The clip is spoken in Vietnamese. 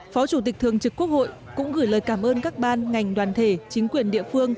phó chủ tịch thường trực quốc hội cũng gửi lời cảm ơn các ban ngành đoàn thể chính quyền địa phương